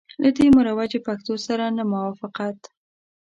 له دې مروجي پښتو سره نه موافقت.